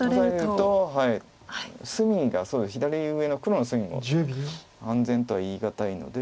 隅が左上の黒の隅も安全とは言い難いので。